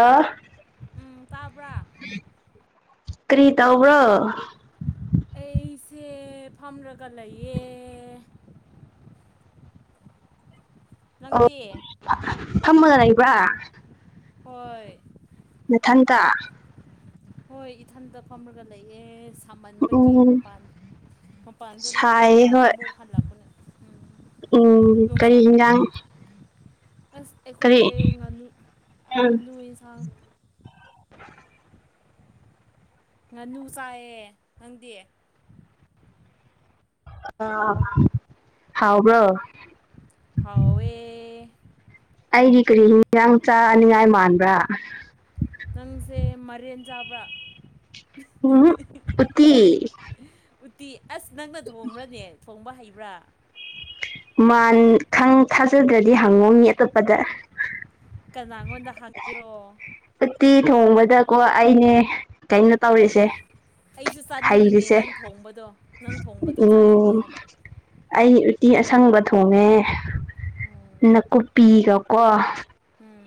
ꯑꯥ ꯎꯝ ꯇꯥꯕ꯭ꯔꯥ ꯀꯔꯤ ꯇꯧꯕ꯭ꯔꯣ ꯑꯩꯁꯦ ꯐꯝꯔꯒ ꯂꯩꯌꯦ ꯑꯣ ꯅꯪꯗꯤ ꯐꯝꯃꯒ ꯂꯩꯕꯔꯥ ꯍꯣꯏ ꯅꯊꯟꯇ ꯍꯣꯏ ꯏꯊꯟꯇ ꯐꯝꯔꯒ ꯂꯩꯑꯦ ꯁꯥꯃꯟꯕꯒꯤ ꯎꯝ ꯃꯄꯥꯟ ꯃꯄꯥꯟꯗ ꯁꯥꯏꯌꯦ ꯂꯦꯞꯔꯒ ꯍꯣꯏ ꯑꯃꯨꯛ ꯍꯜꯂꯛꯄꯅꯦ ꯎꯝ ꯎꯝ ꯀꯔꯤ ꯅꯨꯡꯁꯥ ꯍꯤꯡꯖꯥꯡ ꯑꯁ ꯑꯩꯈꯣꯏ ꯉꯥꯅꯨ ꯉꯥꯅꯨ ꯌꯦꯟꯁꯥꯡ ꯉꯥꯅꯨ ꯆꯥꯏꯌꯦ ꯅꯪꯗꯤ ꯑꯥ ꯍꯥꯎꯕ꯭ꯔꯣ ꯍꯥꯎꯋꯦ ꯑꯩꯗꯤ ꯀꯔꯤ ꯍꯤꯟꯖꯥꯡ ꯆꯥꯅꯤꯡꯉꯥꯏ ꯃꯥꯟꯕ꯭ꯔꯥ ꯅꯪꯁꯦ ꯃꯔꯦꯟ ꯆꯥꯕ꯭ꯔꯥ ꯎꯝꯍꯛ ꯎꯠꯇꯤ ꯎꯠꯇꯤ ꯑꯁ ꯅꯪꯅ ꯊꯣꯡꯕ꯭ꯔꯅꯦ ꯊꯣꯡꯕ ꯍꯩꯕ꯭ꯔꯥ ꯃꯥꯟ ꯈꯪ ꯊꯥꯖꯗ꯭ꯔꯗꯤ ꯍꯪꯉꯣꯅꯦ ꯃꯤ ꯑꯇꯣꯞꯄꯗ ꯀꯅꯥꯉꯣꯟꯗ ꯍꯪꯒꯦꯔꯣ ꯎꯠꯇꯤ ꯊꯣꯡꯕꯗꯀꯣ ꯑꯩꯅꯦ ꯀꯩꯅꯣ ꯇꯧꯔꯤꯁꯦ ꯑꯩꯁꯨ ꯆꯥꯅꯤꯡꯉꯤꯅꯦ ꯍꯩꯔꯤꯁꯦ ꯅꯪ ꯊꯣꯡꯕꯗꯣ ꯅꯪ ꯊꯣꯡꯕꯗꯣ ꯆꯥꯅꯤꯡꯉꯦ ꯎꯝ ꯍꯥꯏꯕ ꯑꯩ ꯎꯇꯤ ꯑꯁꯪꯕ ꯊꯣꯡꯉꯦ ꯎꯝ ꯅꯥꯀꯨꯞꯄꯤꯒꯀꯣ ꯎꯝ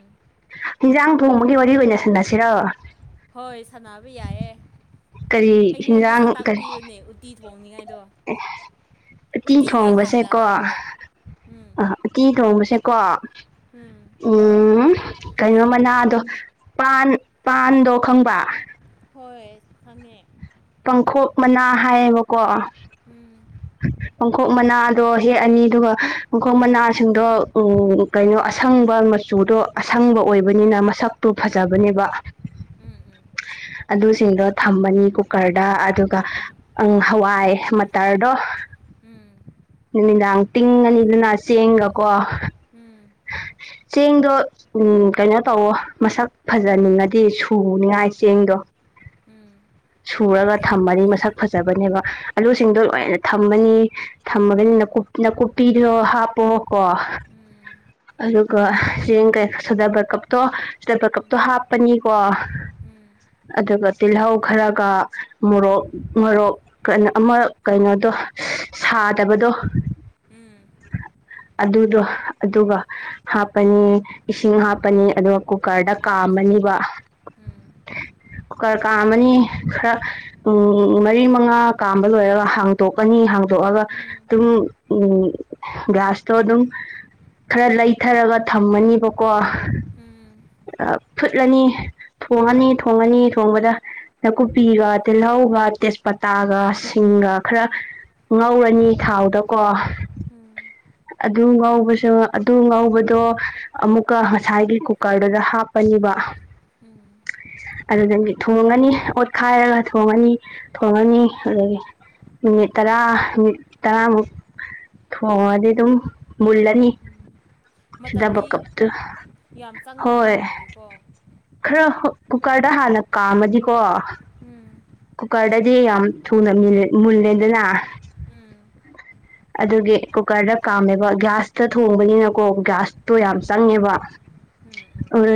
ꯍꯦꯟꯖꯥꯡ ꯊꯣꯡꯕꯒꯤ ꯋꯥꯔꯤ ꯑꯣꯏꯅ ꯁꯥꯟꯅꯁꯤꯔꯣ ꯍꯣꯏ ꯁꯥꯟꯅꯕ ꯌꯥꯏꯌꯦ ꯀꯔꯤ ꯑꯩꯉꯣꯟꯗꯁꯨ ꯍꯤꯟꯖꯥꯡ ꯀꯔꯤ ꯇꯥꯛꯄꯤꯌꯨꯅꯦ ꯎꯇꯤ ꯊꯣꯡꯅꯤꯉꯥꯏꯗꯣ ꯎꯇꯤ ꯊꯣꯡꯕꯁꯦꯀꯣ ꯎꯝ ꯑ ꯎꯇꯤ ꯊꯣꯡꯕꯁꯦꯀꯣ ꯎꯝ ꯎꯝ ꯀꯩꯅꯣ ꯃꯅꯥꯗꯣ ꯄꯥꯟ ꯄꯥꯟꯗꯣ ꯈꯪꯕ ꯍꯣꯏ ꯈꯪꯉꯦ ꯄꯪꯈꯣꯛ ꯃꯅꯥ ꯍꯥꯏꯌꯦꯕꯀꯣ ꯎꯝ ꯄꯪꯈꯣꯛ ꯃꯅꯥꯗꯣ ꯍꯦꯛꯑꯅꯤ ꯑꯗꯨꯒ ꯄꯪꯈꯣꯛ ꯃꯅꯥꯁꯤꯡꯗꯣ ꯎꯝ ꯀꯩꯅꯣ ꯑꯁꯪꯕ ꯃꯆꯨꯗꯣ ꯑꯁꯪꯕ ꯑꯣꯏꯕꯅꯤ ꯅ ꯃꯁꯛꯇꯨ ꯐꯖꯕꯅꯦꯕ ꯎꯝ ꯎꯝ [unintelligible] ꯑꯗꯨꯁꯤꯡꯗꯣ ꯊꯝꯕꯅꯤ ꯀꯨꯀꯔꯗ ꯑꯗꯨꯒ ꯑꯪ ꯍꯋꯥꯏ ꯃꯠꯇꯔꯗꯣ ꯎꯝ ꯅꯨꯃꯤꯗꯥꯡ ꯇꯤꯡꯑꯅꯤꯗꯨꯅ ꯆꯦꯡꯒꯀꯣ ꯎꯝ ꯆꯦꯡꯗꯣ ꯎꯝ ꯀꯩꯅꯣ ꯇꯧꯋꯣ ꯃꯁꯛ ꯐꯖꯅꯤꯡꯉꯗꯤ ꯁꯨꯅꯤꯉꯥꯏ ꯆꯦꯡꯗꯣ ꯎꯝ ꯁꯨꯔꯒ ꯊꯝꯃꯅꯤ ꯃꯁꯛ ꯐꯖꯕꯅꯦꯕ ꯑꯂꯨꯁꯤꯡꯗꯣ ꯎꯝ ꯎꯝ ꯎꯝ ꯎꯝ ꯎꯝ ꯎꯝ ꯎꯝ ꯎꯝ ꯎꯝ ꯎꯝ ꯎꯝ ꯂꯣꯏꯅ ꯊꯝꯃꯅꯤ ꯊꯝꯃꯒꯅꯤꯅ ꯀꯨꯞꯅꯀꯨꯄꯤꯗꯨ ꯍꯥꯞꯄꯣ ꯀꯣ ꯎꯝ ꯑꯗꯨꯒ ꯆꯦꯡ ꯀꯩ ꯁꯣꯗꯕꯥꯏꯀꯞꯇꯣ ꯁꯤꯗꯥꯕꯥꯏꯀꯞꯇꯣ ꯍꯥꯞꯄꯅꯤꯀꯣ ꯑꯗꯨꯒ ꯇꯤꯜꯍꯧ ꯈꯔꯒ ꯃꯣꯔꯣꯛ ꯃꯣꯔꯣꯛ ꯀꯩꯅꯣ ꯑꯃ ꯀꯩꯅꯣꯗꯣ ꯁꯥꯗꯕꯗꯣ ꯑꯗꯨꯗꯣ ꯑꯗꯨꯒ ꯍꯥꯞꯄꯅꯤ ꯏꯁꯤꯡ ꯍꯥꯞꯄꯅꯤ ꯑꯗꯨꯒ ꯀꯨꯀꯔꯗ ꯀꯥꯝꯃꯅꯤꯕ [inaudible] ꯀꯨꯀꯔ ꯀꯥꯝꯃꯅꯤ ꯈꯔ ꯃꯔꯤ ꯃꯉꯥ ꯀꯥꯝꯕ ꯂꯣꯏꯔꯒ ꯍꯥꯡꯇꯣꯛꯀꯅꯤ ꯍꯥꯡ ꯍꯧꯗꯣꯛꯑꯒ ꯑꯗꯨꯝ ꯒ꯭ꯌꯥꯁꯇꯣ ꯑꯗꯨꯝ [inaudible] ꯈꯔ ꯂꯩꯊꯔꯒ ꯊꯝꯃꯅꯤꯕꯀꯣ ꯎꯝ ꯐꯨꯠꯂꯅꯤ ꯊꯣꯡꯉꯅꯤ ꯊꯣꯡꯉꯅꯤ ꯊꯣꯡꯕꯗ ꯅꯥꯀꯨꯞꯄꯤꯒ ꯇꯤꯜꯍꯧꯒ ꯇꯦꯖꯄꯇꯥꯒ ꯁꯤ ꯁꯤꯡꯒ ꯈꯔ ꯎꯝ ꯉꯧꯔꯅꯤ ꯊꯥꯎꯗꯀꯣ ꯎꯝ ꯔꯨ ꯉꯧꯕꯁꯨ ꯑꯗꯨ ꯉꯧꯕꯗꯣ ꯑꯃꯨꯛꯀ ꯉꯁꯥꯏꯒꯤ ꯀꯨꯀꯔꯗꯨꯗ ꯍꯥꯞꯄꯅꯦꯕ ꯎꯝ ꯑꯗꯨꯗꯒꯤ ꯊꯣꯡꯉꯅꯤ ꯑꯣꯠꯈꯥꯏꯔꯒ ꯊꯣꯡꯉꯅꯤ ꯊꯣꯡꯉꯅꯤ ꯑꯗꯨꯗꯒꯤ ꯃꯤꯅꯤꯠ ꯇꯔꯥ ꯃꯤꯠ ꯇꯔꯥꯃꯨꯛ ꯊꯣꯡꯉꯗꯤ ꯑꯗꯨꯝ ꯃꯨꯜꯂꯅꯤ ꯁꯤꯗꯕ ꯃꯇꯝꯗꯤ ꯀꯞꯇꯨ ꯌꯥꯝ ꯆꯪꯗꯕ ꯍꯣꯏ ꯃꯥꯜꯂꯤꯀꯣ ꯈꯔ ꯀꯨꯀꯔꯗ ꯍꯥꯟꯅ ꯀꯥꯝꯃꯗꯤꯀꯣ ꯎꯝ ꯀꯨꯀꯔꯗꯗꯤ ꯌꯥꯝ ꯊꯨꯅ ꯃꯤꯂꯤꯠ ꯃꯨꯜꯂꯦꯗꯅ ꯎꯝ ꯑꯗꯨꯒꯤ ꯀꯨꯀꯔꯗ ꯀꯥꯝꯃꯦꯕ ꯒ꯭ꯌꯥꯁꯇ ꯊꯣꯡꯕꯅꯤꯅꯀꯣ ꯒ꯭ꯌꯥꯁ ꯇꯣ ꯌꯥꯝ ꯎꯝ ꯆꯪꯉꯦꯕ ꯎꯝ ꯎꯝ ꯑꯗꯨ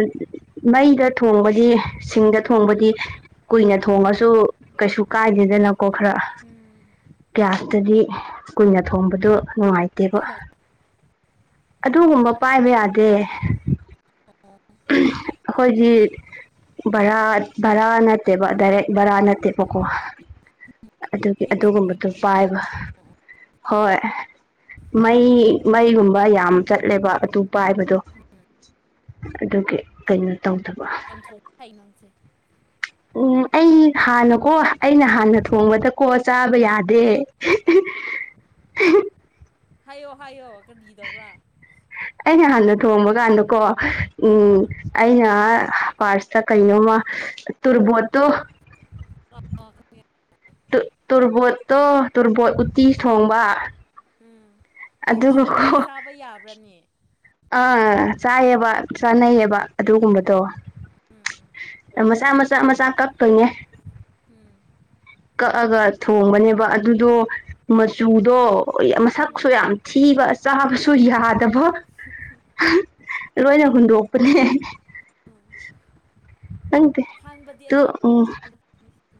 ꯃꯩꯗ ꯊꯣꯡꯕꯗꯤ ꯁꯤꯡꯗ ꯊꯣꯡꯕꯗꯤ ꯀꯨꯏꯅ ꯊꯣꯡꯉꯁꯨ ꯀꯩꯁꯨ ꯀꯥꯏꯗꯦꯅ ꯁꯤꯗꯅꯀꯣ ꯈꯔ ꯎꯝ ꯒ꯭ꯌꯥꯁꯇꯗꯤ ꯀꯨꯟꯅ ꯊꯣꯡꯕꯗ ꯅꯨꯡꯉꯥꯏꯇꯦꯕ꯫ ꯑꯩꯅ ꯑꯗꯨꯒꯨꯝꯕ ꯄꯥꯏꯕ ꯌꯥꯗꯦ꯫ ꯍꯣꯏꯖꯤꯠ ꯕꯔꯥ ꯚꯔꯥ ꯅꯠꯇꯦꯕ ꯗꯥꯏꯔꯦꯛ ꯕꯔꯥ ꯅꯠꯇꯦꯕꯀꯣ ꯑꯗꯨꯒꯤ ꯑꯗꯨꯒꯨꯝꯕꯗꯣ ꯄꯥꯏꯕ ꯍꯣꯏ ꯃꯩ ꯃꯩꯒꯨꯝꯕ ꯌꯥꯝ ꯆꯠꯂꯦꯕ ꯑꯇꯣꯞꯄ ꯍꯥꯏꯕꯗꯣ ꯑꯗꯨꯒꯤ ꯀꯩꯅꯣ ꯇꯧꯗꯕ ꯊꯣꯡꯕ ꯍꯥꯏꯥꯛ ꯅꯪꯁꯦ ꯎꯝ ꯑꯩ ꯍꯥꯟꯅꯀꯣ ꯑꯩꯅ ꯍꯥꯟꯅ ꯊꯣꯡꯕꯗꯀꯣ ꯆꯥꯕ ꯌꯥꯗꯦ ꯍꯥꯏꯌꯣ ꯍꯥꯏꯌꯣ ꯀꯗꯤꯗꯧꯕ꯭ꯔꯥ ꯑꯩꯅ ꯍꯥꯟꯅ ꯊꯣꯡꯕ ꯀꯥꯟꯗꯀꯣ ꯎꯝ ꯑꯩꯅ ꯄꯥꯔꯁꯇ ꯀꯩꯅꯣꯃ ꯇꯔꯕꯣꯠꯇꯣ ꯑ ꯇꯣꯔꯕꯣꯠꯇꯣ ꯇꯣꯔꯕꯣꯠ ꯎꯠꯇꯤ ꯊꯣꯡꯕ ꯎꯝ ꯇꯨꯔꯕ ꯎꯇꯤ ꯑꯗꯨꯒꯀꯣ ꯆꯥꯕ ꯌꯥꯕ꯭ꯔꯅꯦ ꯑ ꯆꯥꯏꯑꯕ ꯆꯥꯅꯩꯌꯦꯕ ꯑꯗꯨꯒꯨꯝꯕꯗꯣ ꯑꯣ ꯎꯝ ꯃꯆꯥ ꯃ ꯆꯥꯛ ꯃꯆꯥ ꯀꯞꯛꯇꯣꯏꯅꯦ ꯎꯝ ꯀꯛꯑꯒ ꯊꯣꯡꯕꯅꯦꯕ ꯑꯗꯨꯗꯣ ꯃꯆꯨꯗꯣ ꯃꯁꯛꯁꯨ ꯎꯝ ꯌꯥꯝ ꯊꯤ ꯆꯥꯕꯁꯨ ꯌꯥꯗꯕ ꯂꯣꯏꯅ ꯍꯨꯟꯗꯣꯛꯄꯅꯦ ꯑꯝ ꯅꯪꯗꯤ ꯇ ꯎꯝ ꯎꯝ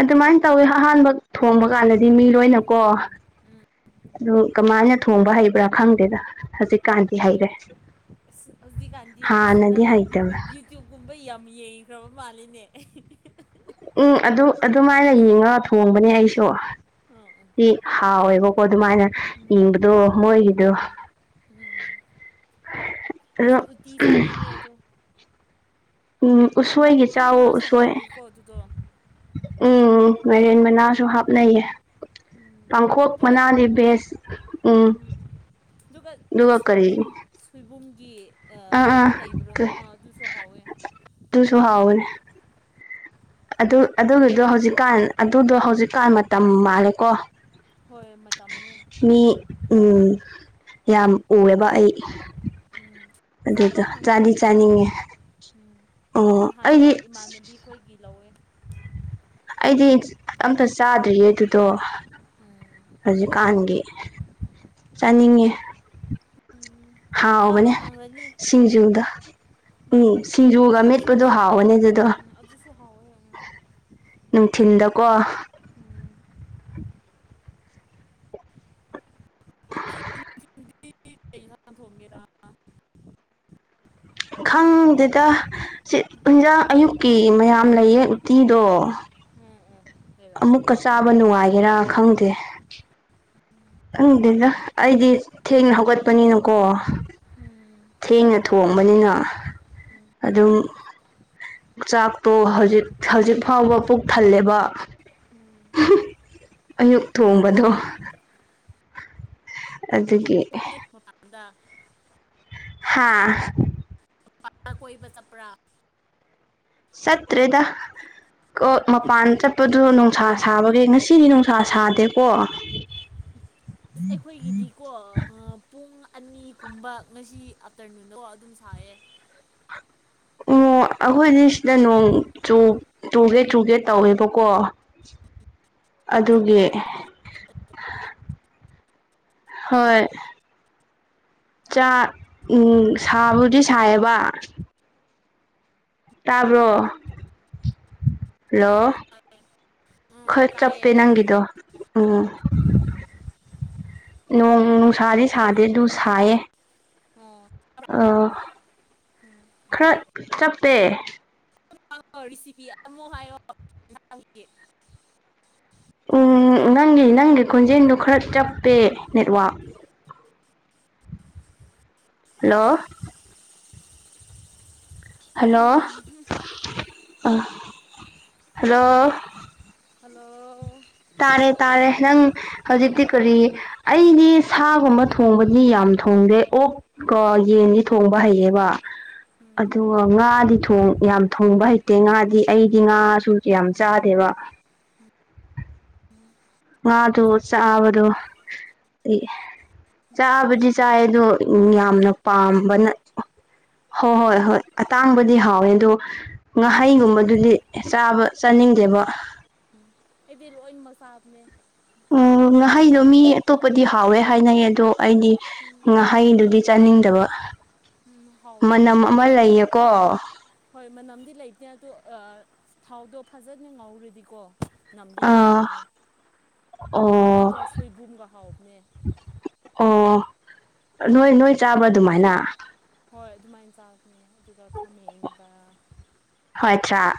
ꯑꯗꯨꯃꯥꯏꯅ ꯇꯧꯋꯤ ꯑꯍꯥꯟꯕ ꯊꯣꯡꯕ ꯀꯥꯟꯗꯗꯤ ꯃꯤ ꯂꯣꯏꯅꯀꯣ ꯎꯝ ꯎꯝ ꯑꯗꯨꯃꯥꯏꯅ ꯑꯗꯨꯝ ꯇꯧꯋꯤ ꯀꯃꯥꯏꯅ ꯊꯣꯡꯕ ꯍꯩꯕ꯭ꯔꯥ ꯈꯪꯗꯦꯗ ꯎꯝ ꯍꯧꯖꯤꯛꯀꯥꯟꯗꯤ ꯍꯩꯔꯦ꯫ ꯍꯧꯖꯤꯛꯀꯥꯟꯗꯤ ꯑꯁ ꯍꯥꯟꯅꯗꯤ ꯅꯪ ꯍꯩꯇꯕ ꯌꯨꯇ꯭ꯌꯨꯕ ꯀꯨꯝꯕ ꯌꯥꯝ ꯌꯦ ꯈ꯭ꯔꯕ ꯃꯥꯜꯂꯤꯅꯦ ꯎꯝ ꯑꯗꯨ ꯑꯗꯨꯃꯥꯏꯅ ꯌꯦꯡꯉꯒ ꯊꯣꯡꯕꯅꯦ ꯑꯩꯁꯨ ꯑ ꯁꯤ ꯍꯥꯎꯋꯦꯕꯀꯣ ꯑꯗꯨꯃꯥꯏꯅ ꯎꯝ ꯏꯪꯕꯗꯣ ꯃꯣꯏꯒꯤꯗꯣ ꯎꯝ ꯑꯗꯣ ꯑꯩꯁꯨ ꯎꯇꯤ ꯆꯥꯅꯤꯡꯉꯦ ꯑꯗꯣ ꯎꯝ ꯎꯁꯣꯏꯒꯤ ꯃꯔꯤꯟ ꯆꯥꯎ ꯃꯅꯥꯁꯨ ꯎꯁꯣꯏ ꯍꯥꯎꯋꯤꯀꯣ ꯑꯗꯨꯗꯣ ꯎꯝ ꯃꯔꯦꯟ ꯃꯅꯥꯁꯨ ꯍꯥꯞꯅꯩꯌꯦ ꯎꯝ ꯄꯥꯡꯈꯣꯛ ꯑꯗꯨꯒ ꯃꯅꯥꯗꯤ ꯕꯦꯁ ꯎ꯫ ꯎꯝ ꯑꯗꯨꯒ ꯁꯣꯏꯕꯨꯝ ꯁꯣꯏꯕꯨꯝꯒꯤ ꯑ ꯑꯥ ꯄꯤꯛꯄ ꯑꯥ ꯂꯩꯕ꯭ꯔꯣ ꯑ ꯑꯗꯨꯁꯨ ꯍꯥꯎꯋꯦ ꯑꯗꯨꯁꯨ [inaudible] ꯑꯗꯨ ꯑꯗꯨꯒꯤꯗꯣ ꯍꯧꯖꯤꯛꯀꯥꯟ ꯑꯗꯨꯗꯣ ꯍꯧꯖꯤꯛꯀꯥꯟ ꯃꯇꯝ ꯃꯥꯜꯂꯦꯀꯣ꯫ ꯍꯣꯏ ꯃꯇꯝꯅꯦ꯫ ꯃꯤ ꯎꯝ ꯌꯥꯝ ꯎꯔꯦꯕ ꯑꯩ ꯎꯝ ꯆꯥꯕ ꯑꯗꯨꯗꯣ ꯐꯪꯈ꯭ꯔꯦ ꯆꯥꯗꯤ ꯅꯍꯥꯟꯗꯣ ꯆꯥꯅꯤꯡꯉꯦ ꯎꯝ ꯑꯣ ꯅꯍꯥꯟꯗ ꯑꯩꯗꯤ ꯏꯃꯥꯟꯅꯕꯤ ꯑꯩꯈꯣꯏꯒꯤ ꯂꯧꯋꯦ ꯑꯩꯗꯤ ꯑꯝꯇ ꯆꯥꯗ꯭ꯔꯤꯌꯦ ꯑꯗꯨꯗꯣ ꯎꯝ ꯍꯧꯖꯤꯛꯀꯥꯟꯒꯤ ꯆꯥꯅꯤꯡꯉꯤ ꯎꯝ ꯍꯥꯎꯕꯅꯦ ꯆꯥꯕ ꯐꯪꯂꯅꯤ ꯁꯤꯡꯖꯨꯗ ꯎꯝ ꯁꯤꯡꯖꯨꯒ ꯃꯦꯠꯄꯗꯣ ꯁꯤꯡꯖꯨꯁꯨ ꯍꯥꯎꯋꯅꯦ ꯑꯗꯨꯗꯣ ꯎꯝ ꯑꯗꯨꯁꯨ ꯍꯥꯎꯋꯦ ꯎꯝ ꯅꯨꯡꯊꯤꯟꯗꯀꯣ꯫ ꯎꯝ [inaudible] ꯀꯩ ꯏꯟꯁꯥꯡ ꯊꯣꯡꯒꯦꯔꯥ ꯈꯪꯗꯦꯗ ꯁꯤ ꯏꯟꯖꯥꯡ ꯑꯌꯨꯛꯀꯤ ꯃꯌꯥꯝ ꯂꯩꯌꯦ ꯎꯇꯤꯗꯣ ꯎꯝ ꯎꯝ ꯂꯩꯔꯝꯒꯅꯤ ꯑꯃꯨꯛꯀ ꯆꯥꯕ ꯅꯨꯡꯉꯥꯏꯒꯦꯔꯥ ꯈꯪꯗꯦ ꯪꯗꯗ ꯑꯩꯗꯤ ꯊꯦꯡꯅ ꯍꯧꯒꯠꯄꯅꯤꯅꯀꯣ ꯎꯝ ꯊꯦꯡꯅ ꯊꯣꯡꯕꯅꯤꯅ ꯑꯗꯨꯝ ꯆꯥꯛꯇꯣ ꯍꯧꯖꯤꯛ ꯍꯧꯖꯤꯛ ꯐꯥꯎꯕ ꯄꯨꯛ ꯊꯜꯂꯦꯕ ꯎꯝ ꯑꯌꯨꯛ ꯊꯣꯡꯕꯗꯣ ꯑꯗꯨꯒꯤ ꯑꯩꯏꯔ ꯃꯄꯥꯟꯗ ꯍꯥꯥ ꯃꯥ ꯀꯣꯏꯕ ꯆꯞꯄꯔꯥ ꯁꯠꯇ꯭ꯔꯦꯗ ꯑꯣ ꯃꯄꯥꯟ ꯆꯠꯄꯗꯨ ꯅꯨꯡꯁꯥ ꯁꯥꯕꯒꯦ ꯉꯁꯤꯗꯤ ꯅꯨꯡꯁꯥ ꯁꯥꯗꯦꯀꯣ ꯑ ꯑꯩꯈꯣꯏꯒꯤꯗꯤꯀꯣ ꯄꯨꯡ ꯑꯅꯤꯒꯨꯝꯕ ꯉꯁꯤ ꯑꯥꯞꯇꯔꯅꯨꯟꯗ ꯑꯗꯨꯝ ꯁꯥꯏꯌꯦ [unintelligible] ꯑꯣ ꯑꯩꯈꯣꯏꯅꯤ ꯁꯤꯗ ꯅꯣꯡ ꯆꯨꯒꯦ ꯆꯨꯒꯦ ꯇꯧꯋꯦꯕꯀꯣ ꯑꯗꯨꯒꯤ [unintelligible] ꯍꯣꯏ ꯆꯥꯛ ꯎꯝ ꯁꯥꯕꯨꯗꯤ ꯁꯥꯏꯌꯦꯕ ꯇꯥꯕ꯭ꯔꯣ ꯍꯜꯂꯣ ꯎꯝ ꯈꯣꯏ ꯆꯞꯄꯦ ꯇꯥꯏꯌꯦ ꯅꯪꯒꯤꯗꯣ ꯎꯝ ꯎꯝ ꯅꯣꯡ ꯅꯨꯡꯁꯥꯗꯤ ꯁꯥꯗꯦ ꯉꯥꯏꯈꯣꯀꯣ ꯑꯗꯨ ꯁꯥꯏꯌꯦ ꯑꯣ ꯑ ꯎꯝ ꯈꯔ ꯆꯞꯄꯦ ꯉꯣ ꯔꯤꯁꯤꯄꯤ ꯑꯃꯛ ꯍꯥꯏꯔꯣ ꯈꯣꯟꯖꯦꯜꯗꯨꯣ ꯈꯔ ꯆꯞꯄꯦ ꯅꯦꯠꯋꯥꯛ ꯍꯜꯂꯣ ꯍꯜꯂꯣ ꯎꯝ ꯍꯜꯂꯣ ꯍꯂꯣ ꯇꯥꯔꯦ ꯇꯥꯔꯦ ꯅꯪ ꯍꯧꯖꯤꯛꯇꯤ ꯀꯔꯤ ꯑꯩꯗꯤ ꯁꯥꯒꯨꯝꯕ ꯊꯣꯡꯕꯗꯤ ꯌꯥꯝ ꯊꯣꯡꯗꯦ ꯑꯣꯛꯀꯣ ꯌꯦꯟꯗꯤ ꯊꯣꯡꯕ ꯍꯩꯌꯦꯕ ꯎꯝ ꯑꯗꯨꯒ ꯉꯥꯗꯤ ꯌꯥꯝ ꯊꯣꯡꯕ ꯍꯩꯇꯦ ꯉꯥꯗꯤ ꯑꯩꯗꯤ ꯉꯥꯁꯨ ꯌꯥꯝ ꯆꯥꯗꯦꯕ ꯎꯝ ꯉ ꯇ ꯆꯕꯗꯨꯣ ꯎꯝ ꯆꯥꯕꯨꯗꯤ ꯆꯥꯏ ꯑꯗꯣ ꯃꯅꯝ ꯌꯥꯝꯅ ꯄꯥꯝꯕꯅ ꯍꯣꯏ ꯎꯝ ꯍꯣꯏ ꯍꯣꯏ ꯑꯇꯥꯡꯕꯗꯤ ꯍꯥꯎꯋꯦ ꯑꯗꯣ ꯎꯝ ꯉꯥꯍꯩꯒꯨꯝꯕꯗꯨꯗꯤ ꯆꯥꯕ ꯆꯥꯅꯤꯡꯗꯦꯕ ꯎꯝ ꯑꯩꯗꯤ ꯂꯣꯏꯃꯛ ꯁꯥꯥꯕꯅꯦ ꯎ ꯉꯍꯩꯗꯣ ꯃꯤ ꯑꯇꯣꯞꯄꯗꯤ ꯍꯥꯎꯋꯦ ꯍꯥꯏꯅꯩꯌꯦ ꯑꯗꯣ ꯑꯩꯗꯤ ꯎꯝ ꯉꯥꯍꯩꯗꯨꯗꯤ ꯆꯥꯅꯤꯡꯗꯕ ꯎꯝ ꯍꯥꯎꯕꯅꯦ ꯃꯅꯝ ꯑꯃ ꯑꯗꯨꯗꯣ ꯂꯩꯌꯦꯀꯣ ꯂꯩꯇꯦ ꯑꯗꯣ ꯊꯥꯎꯗꯣ ꯐꯖꯅ ꯉꯧꯔꯗꯤꯀꯣ ꯅꯝꯗꯤ ꯑꯥ ꯅꯝꯗꯕꯅꯤꯦ ꯑꯣ ꯑꯗꯨꯒ ꯁꯣꯏꯕꯨꯝꯒ ꯍꯥꯎꯕꯅꯦ ꯑꯣ ꯅꯣꯏ ꯅꯣꯏ ꯆꯥꯕ ꯑꯗꯨꯃꯥꯏꯅ ꯍꯣꯏ ꯑꯗꯨꯃꯥꯏꯅ ꯆꯥꯛꯅꯦ ꯑꯗꯨꯒ ꯈꯥꯃꯦꯟ ꯀꯔ ꯍꯣꯏꯠꯆꯥꯥ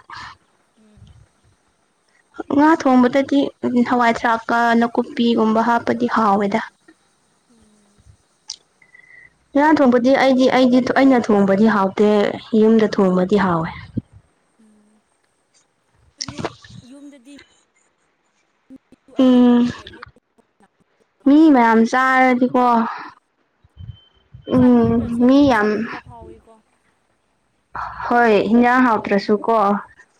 ꯉꯥ ꯊꯣꯡꯕꯗꯗꯤ ꯍꯋꯥꯏ ꯊꯔꯥꯛꯀ ꯅꯥꯀꯨꯞꯄꯤꯒꯨꯝꯕ ꯍꯥꯞꯄꯗꯤ ꯍꯥꯎꯋꯦꯗ ꯎꯝ ꯉꯥ ꯊꯣꯡꯕꯗꯤ ꯑꯩꯗꯤ ꯑꯩꯗꯤ ꯑꯩꯅ ꯊꯣꯡꯕꯗꯤ ꯍꯥꯎꯇꯦ ꯌꯨꯝꯗ ꯊꯣꯡꯕꯗꯤ ꯍꯥꯎꯋꯦ ꯎꯝ ꯆꯨꯝꯅ ꯌꯨꯝꯗꯗꯤ ꯎꯝ ꯃꯤ ꯃꯌꯥꯝ ꯆꯥꯔꯗꯤꯀꯣ ꯎꯝ ꯆꯥꯅꯤꯡꯕ꯭ꯔꯁꯨ ꯑꯗꯨꯝ ꯃꯤ ꯌꯥꯝ ꯆꯥꯅꯤꯡꯕ ꯐꯥꯎꯋꯤꯀꯣ ꯍꯣꯏ ꯍꯤꯟꯖꯥꯡ ꯎꯝ ꯍꯥꯎꯇ꯭ꯔꯁꯨꯀꯣ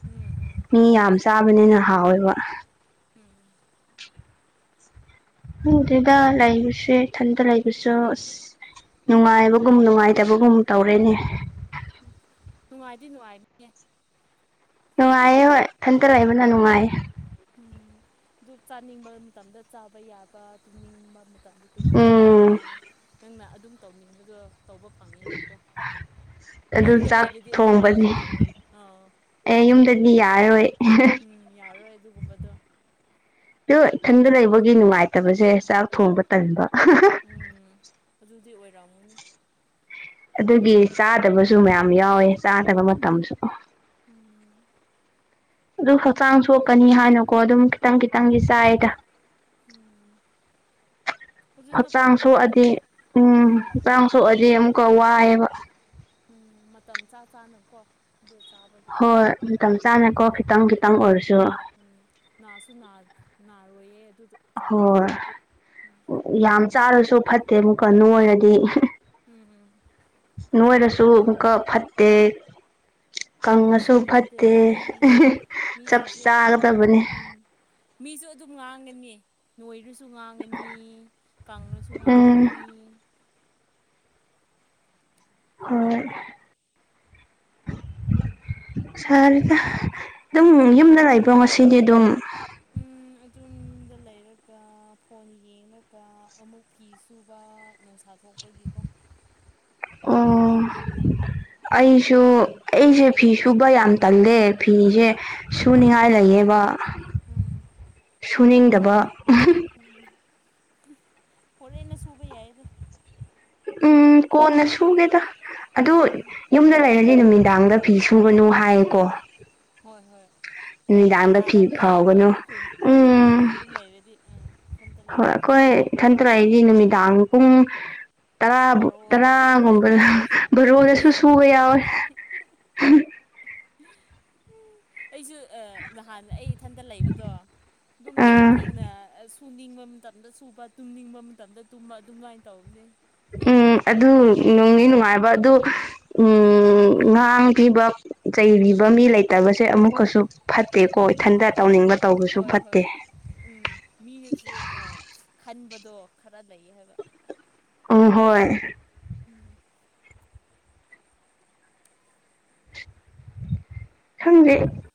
ꯎꯝ ꯎꯝ ꯃꯤ ꯌꯥꯝ ꯆꯥ ꯍꯥꯏꯕꯅꯤꯅ ꯍꯥꯎꯋꯦꯕ ꯎꯝ [inaudible] ꯎ ꯑꯗꯨꯗ ꯂꯥꯏꯒꯁꯦ ꯊꯟꯗ ꯂꯩꯒꯁꯨ ꯅꯨꯡꯉꯥꯏꯕꯒꯨꯝ ꯅꯨꯡꯉꯥꯏꯇꯕꯒꯨꯝ ꯇꯧꯔꯦꯅꯦ ꯎꯝ ꯅꯨꯡꯉꯥꯏꯗꯤ ꯅꯨꯡꯉꯥꯏꯗꯤꯌꯦ ꯅꯨꯡꯉꯥꯏꯌꯦ ꯍꯣꯏ ꯈꯟꯇꯔꯥꯛꯏꯕꯅ ꯅꯨꯡꯉꯥꯏꯌꯦ ꯎꯝ ꯑꯗꯨ ꯆꯥꯅꯤꯡꯕ ꯃꯇꯝꯗ ꯆꯥꯕ ꯌꯥꯕ ꯇꯨꯝꯅꯤꯡꯕ ꯃꯇꯝꯗꯣ ꯇꯨꯝꯕ ꯌꯥꯕ ꯎꯝ ꯅꯪꯅ ꯑꯗꯨꯝ ꯇꯧꯅꯤꯡꯕꯗꯣ ꯇꯧꯕ ꯐꯪꯉꯤꯅꯀꯣ ꯑꯗꯨ ꯌꯨꯝꯗ ꯆꯥꯛ ꯂꯩꯔꯗꯤ ꯑꯗꯨꯃꯥꯏꯅ ꯊꯣꯡꯕꯁ ꯐꯪꯉꯣꯏ ꯑꯥ ꯑꯦ ꯌꯨꯝꯗꯗꯤ ꯌꯥꯔꯔꯣꯏ ꯎꯝ ꯌꯥꯔꯣ ꯑꯗꯨꯗꯨ ꯒꯨꯝꯕꯗꯣ ꯑꯗꯣ ꯏꯊꯟꯗ ꯂꯩꯕꯒꯤ ꯅꯨꯡꯉꯥꯏꯇꯕꯁꯦ ꯆꯥꯛ ꯊꯣꯡꯕ ꯇꯟꯕ ꯎꯝ ꯑꯗꯨꯗꯤ ꯑꯣꯏꯔꯝꯑꯝꯒꯅꯦ ꯑꯗꯨꯒꯤ ꯆꯥꯗꯕꯁꯨ ꯃꯌꯥꯝ ꯌꯥꯎꯋꯦ ꯆꯥꯗꯕ ꯃꯇꯝꯁꯨ ꯎꯝ ꯑꯗꯨ ꯍꯛꯆꯥꯡ ꯁꯣꯛꯀꯅꯤ ꯍꯥꯏꯅꯀꯣ ꯑꯗꯨꯝ ꯈꯤꯇꯪ ꯈꯤꯇꯪꯗꯤ ꯎꯝ ꯆꯥꯏꯗ [inaudible] ꯍꯛꯆꯥꯡ ꯐꯕꯅꯦ ꯁꯣꯛꯑꯗꯤ ꯎꯝ ꯍꯛꯆꯥꯡ ꯁꯣꯛꯑꯗꯤ ꯑꯃꯨꯛꯀ ꯋꯥꯏꯑꯦꯕ ꯎꯝ ꯃꯇꯝ ꯆꯥ ꯆꯥꯅꯀꯣ ꯑꯗꯨ ꯆꯥꯕꯗꯣ ꯍꯣꯏ ꯃꯇꯝ ꯎꯝ ꯆꯥꯅꯀꯣ ꯈꯤꯇꯪ ꯈꯤꯇꯪ ꯎꯝ ꯑꯣꯏꯔꯁꯨ ꯎꯝ ꯅꯥꯁꯨ ꯅꯥꯗꯦ ꯅꯔꯣꯏꯌꯦ ꯑꯗꯨ ꯍꯣꯏ ꯌꯥꯝ ꯆꯥꯔꯁꯨ ꯐꯠꯇꯦ ꯑꯃꯨꯛꯀꯥꯅꯨ ꯑꯣꯏꯔꯗꯤ ꯎꯝ ꯎꯝ ꯅꯣꯏꯅꯁꯨ ꯑꯃꯨꯛꯀ ꯐꯠꯇꯦ ꯀꯪꯉꯁꯨ ꯐꯠꯇꯦ ꯆꯞ ꯃꯤꯁꯤꯡꯁꯦ ꯑꯗꯨꯝ ꯆꯥꯒꯗꯕꯅꯦ ꯎꯝ ꯃꯤꯁꯨ ꯑꯗꯨꯝ ꯉꯥꯡꯒꯅꯤ ꯅꯣꯏꯔꯨꯁꯨ ꯁꯨ ꯉꯥꯡꯉꯅꯤ ꯀꯥꯡꯁꯨ ꯎꯝ ꯉꯥꯡꯒꯅꯤ ꯍꯣꯏ ꯁꯀ ꯑꯗꯨꯝ ꯌꯨꯝꯗ ꯎꯝ ꯂꯩꯕ ꯉꯁꯤꯗꯤ ꯑꯗꯨꯝ ꯇꯨꯡ ꯂꯩꯔꯒ ꯐꯣꯟ ꯌꯦꯡꯂꯡꯉꯒ ꯑꯃꯨꯛ ꯐꯤ ꯁꯨꯕ ꯅꯨꯡꯁꯥ ꯊꯣꯛꯄꯒꯤꯀꯣ [inaudible] ꯑꯣ ꯑꯩꯁꯨ ꯑꯩꯁꯦ ꯐꯤ ꯁꯨꯕ ꯌꯥꯝ ꯇꯜꯂꯦ ꯐꯤꯁꯦ ꯁꯨꯅꯤꯡꯉꯥꯏ ꯂꯩꯌꯦꯕ ꯁꯨꯅꯤꯡꯗꯕ ꯝ ꯑꯣꯔ ꯏꯩꯅ ꯁꯨꯕ ꯍꯥꯏꯗ ꯎꯝ ꯀꯣꯟꯅ ꯁꯨꯒꯦꯗ ꯑꯗꯨ ꯎꯝ ꯌꯨꯝꯗ ꯂꯩꯔꯅꯤ ꯅꯨꯃꯤꯠ ꯗꯥꯥꯡꯗ ꯐꯤ ꯁꯨꯕꯅꯨ ꯍꯥꯏꯀꯣ ꯍꯣꯏ ꯍꯣꯏ ꯗꯔꯀꯥꯔ ꯐꯤ ꯇꯥꯗꯕꯅꯦ ꯐꯥꯎꯒꯅꯨ ꯑꯩꯈꯣꯏ ꯈꯨꯟ ꯑꯩꯈꯣꯏ ꯎꯝ ꯑꯗꯨꯝ ꯂꯩꯔꯗꯤ ꯎꯝ ꯁꯟꯇ ꯂꯩꯔꯗꯤ ꯍꯣꯏꯊꯟꯇꯔ ꯑꯩꯗꯤ ꯅꯨꯃꯤꯗꯥꯡ ꯄꯨꯡ ꯔꯥ ꯕꯥꯔꯣꯗꯁꯨ ꯇꯔꯥꯒꯨꯝꯕꯗ ꯕꯣꯔꯣꯗꯁꯨ ꯁꯨꯕ ꯌꯥꯎꯋꯦ ꯑꯩꯁꯨ ꯑ ꯅꯍꯥꯟ ꯑꯩ ꯏꯊꯟꯇ ꯂꯩꯕꯗꯣ ꯑꯗꯨꯝ ꯊꯦꯡ ꯑꯥ ꯊꯦꯡꯅ ꯁꯨꯅꯤꯡꯕ ꯃꯇꯝꯗ ꯁꯨꯕ ꯇꯨꯝꯅꯤꯡꯕ ꯃꯇꯝꯗ ꯇꯨꯝꯕ ꯑꯗꯨꯃꯥꯏꯅ ꯇꯧꯔꯝꯅꯦ ꯎꯝ ꯑꯗꯨ ꯅꯨꯡꯅꯤ ꯅꯨꯡꯉꯥꯏꯕ ꯑꯗꯨ ꯎꯝ ꯉꯍꯥꯡ ꯄꯤꯕ ꯆꯩꯕꯤꯕ ꯃꯤ ꯂꯩꯇꯕꯁꯦ ꯑꯃꯨꯛꯀꯁꯨ ꯐꯠꯇꯦꯀꯣ ꯏꯊꯟꯇ ꯇꯧꯅꯤꯡꯕ ꯇꯧꯕꯁꯨ ꯍꯣꯏ ꯍꯣꯏ ꯐꯠꯇꯦ ꯎꯝ ꯃꯤ ꯍꯁꯨ ꯑ ꯈꯕ ꯑꯣ ꯈꯔ ꯂꯩꯌꯦ ꯍꯥꯏꯕ ꯑꯣ ꯍꯣꯏ ꯈꯪꯗꯦ